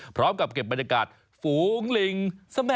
พร้อมกับเก็บบรรยากาศฝูงลิง